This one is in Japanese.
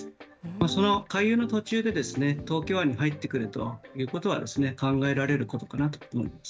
その回遊の途中で、東京湾に入ってくるということは考えられることかなと思います。